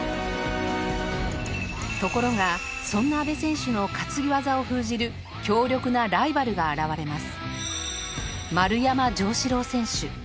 ところがそんな阿部選手の担ぎ技を封じる強力なライバルが現れます。